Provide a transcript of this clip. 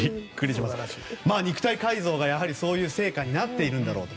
肉体改造がそういう成果になっているんだろうと。